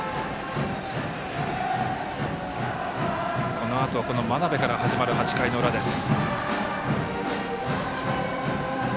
このあとは真鍋から始まる８回の裏です。